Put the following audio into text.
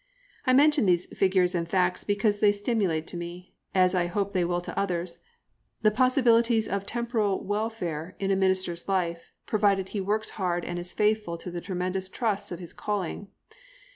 I mention these figures and facts because they stimulate to me, as I hope they will to others, the possibilities of temporal welfare in a minister's life, provided he works hard and is faithful to the tremendous trusts of his calling.